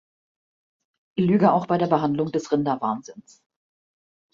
Lüge auch bei der Behandlung des Rinderwahnsinns.